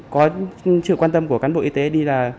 chịu quan tâm của cán bộ y tế đi là